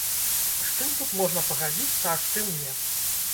З чым тут можна пагадзіцца, а з чым не?